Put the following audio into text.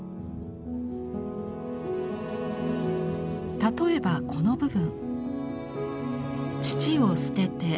例えばこの部分。